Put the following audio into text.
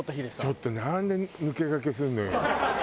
ちょっとなんで抜け駆けするのよ。